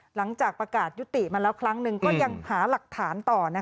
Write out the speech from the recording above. หลังจากประกาศยุติมาแล้วครั้งหนึ่งก็ยังหาหลักฐานต่อ